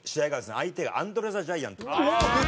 相手がアンドレ・ザ・ジャイアント。